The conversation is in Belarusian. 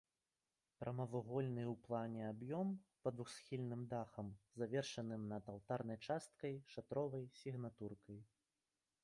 Прамавугольны ў плане аб'ём пад двухсхільным дахам, завершаным над алтарнай часткай шатровай сігнатуркай.